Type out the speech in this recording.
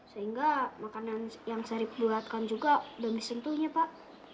sehingga makanan yang saya buatkan juga belum disentuhnya pak